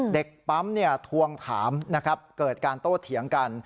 เด็กปั๊มทวงถามนะครับเกิดการโต้เถียงกัน